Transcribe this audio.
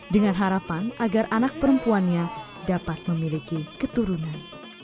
dengan harapan agar anak perempuannya dapat memiliki keturunan